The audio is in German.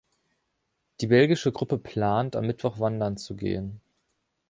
Die belgische Gruppe plant, am Mittwoch wandern zu gehen.